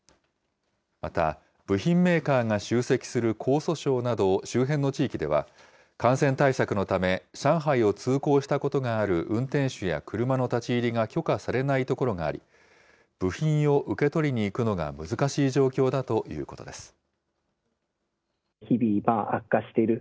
また部品メーカーが集積する江蘇省など周辺の地域では、感染対策のため、上海を通行したことがある運転手や車の立ち入りが許可されない所があり、部品を受け取りにいくのが難しい状況だということです。